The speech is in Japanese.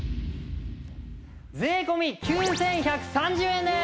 税込９１３０円です！